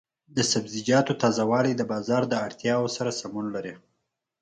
د سبزیجاتو تازه والي د بازار د اړتیاوو سره سمون لري.